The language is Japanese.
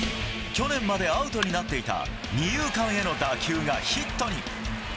去年までアウトになっていた二遊間への打球がヒットに。